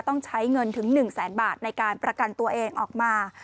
ต้องใช้เงินถึง๑แสนบาทในการประกันตัวเองออกมา